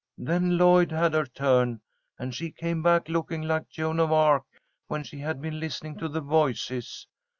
Then Lloyd had her turn, and she came back looking like Joan of Arc when she'd been listening to the voices.